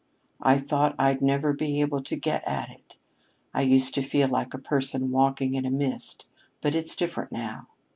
I thought I'd never be able to get at it. I used to feel like a person walking in a mist. But it's different now.